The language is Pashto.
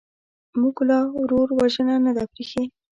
موږ لا ورور وژنه نه ده پرېښې.